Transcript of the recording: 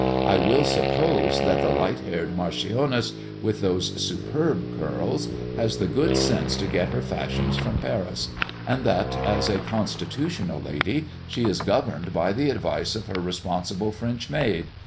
I will suppose that the light haired marchioness, with those superb curls, has the good sense to get her fashions from Paris, and that, as a constitutional lady, she is governed by the advice of her responsible French maid.